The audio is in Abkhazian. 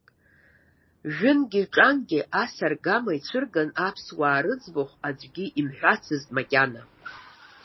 Жәынгьы-ҿангьы ас аргама ицәырган аԥсуаа рыӡбахә аӡәгьы имҳәацызт макьана.